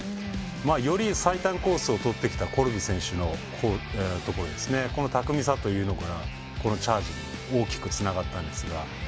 より最短コースをとってきたコルビ選手の巧みさが、このチャージに大きくつながったんですが。